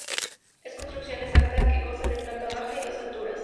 Es construcción exenta que consta de planta baja y dos alturas.